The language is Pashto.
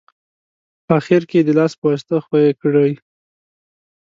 په اخیر کې یې د لاس په واسطه ښوي کړئ.